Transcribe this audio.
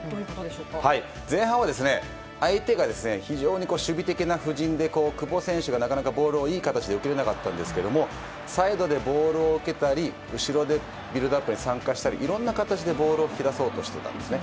前半は相手が非常に守備的な布陣で久保選手がなかなかボールをいい形で受けられなかったんですがサイドでボールを受けたり後ろでビルドアップに参加したりいろんな形でボールを引き出そうとしてたんですね。